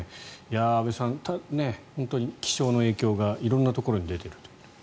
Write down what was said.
安部さん、気象の影響が色々なところに出ているという。